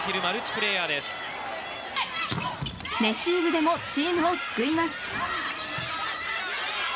レシーブでもチームを救います。